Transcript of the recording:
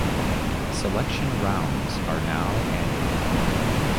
Selection rounds are now annual.